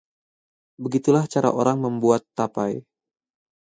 begitulah cara orang membuat tapai